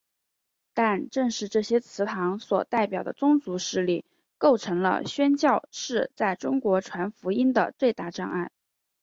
但正是这些祠堂所代表的宗族势力构成了宣教士在中国传福音的最大障碍。